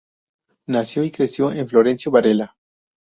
Nació y creció en Florencio Varela.